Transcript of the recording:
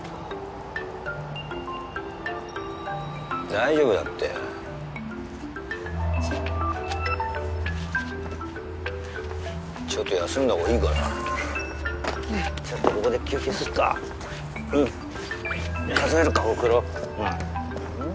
大丈夫だってちょっと休んだほうがいいからちょっとここで休憩すっかうん数えるかほくろなぁうん？